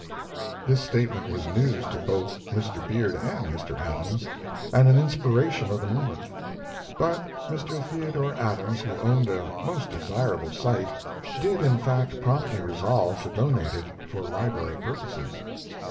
This statement was news to both Mr. Beard and Mr. Adams and an inspiration of the moment; but Mr. Theodore Adams, who owned a most desirable site, did in fact promptly resolve to donate it for library purposes.